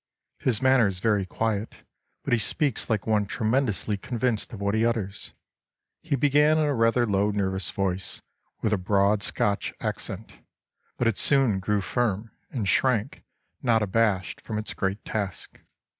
His manner is very quiet, but he speaks like one tremendously convinced of what he utters.... He began in a rather low nervous voice, with a broad Scotch accent, but it soon grew firm, and shrank not abashed from its great task."